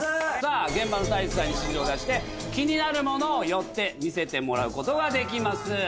さぁ現場の太一さんに指示を出して気になるものを寄って見せてもらうことができます。